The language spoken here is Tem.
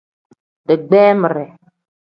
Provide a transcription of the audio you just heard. Digbeemire.